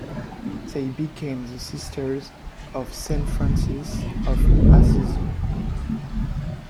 They became the Sisters of Saint Francis of Assisi.